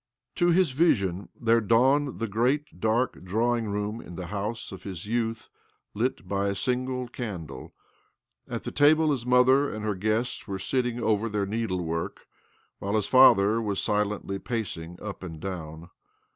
To his vision there dawned the great, da drawing room in the house of his youth, by a single candle. At the table his motl and her guests were sitting oven their need work, while his father was silently paci up and down